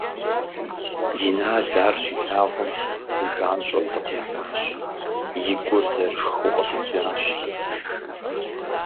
Инал ар щилъагъум, занщӀэу къытехьащ, и гур зэрышхыу къыщӀидзащ.